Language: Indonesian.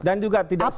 dan juga tidak semua